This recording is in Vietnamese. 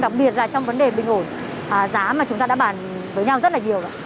đặc biệt là trong vấn đề bình ổn giá mà chúng ta đã bàn với nhau rất là nhiều